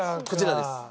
こちらです。